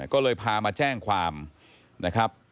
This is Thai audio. ก็เลยพามาแจ้งความนะครับ